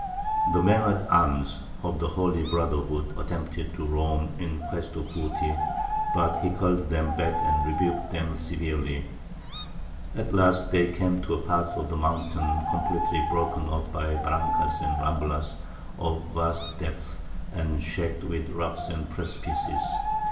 The men at arms of the Holy Brotherhood attempted to roam in quest of booty; but he called them back and rebuked them severely. "At last they came to a part of the mountain completely broken up by barrancas and ramblas, of vast depth, and shagged with rocks and precipices.